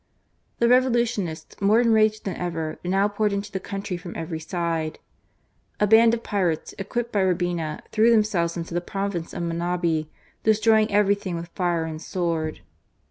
The Revolutionists, more enraged than ever, now poured into the country from every side. A band of pirates equipped by Urbina, threw them selves into the province of Manabi, destroying everything with fire and sword.